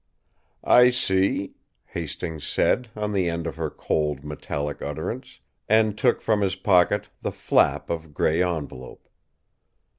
"I see," Hastings said, on the end of her cold, metallic utterance, and took from his pocket the flap of grey envelope.